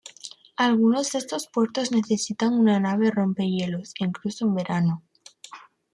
Algunos de estos puertos necesitan una nave rompehielos incluso en verano.